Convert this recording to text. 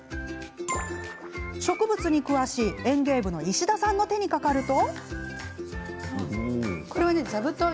植物に詳しい、園藝部の石田さんの手にかかると。